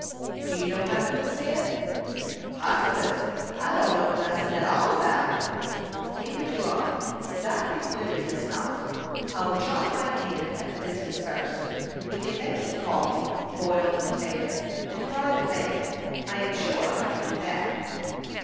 "Do you know how to cook, Cyd?" "Hossifus! I don't know nossin at all 'bout it." "Neither do I; and I think Lily does not. I will try my hand at the business first. We can make some coffee, boil the potatoes, and fry the bacon. I am sure I can do that."